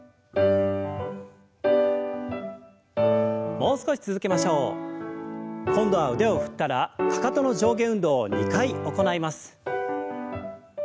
もう少し続けましょう。今度は腕を振ったらかかとの上下運動を２回行います。